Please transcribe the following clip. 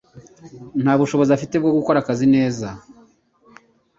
Nta bushobozi afite bwo gukora akazi neza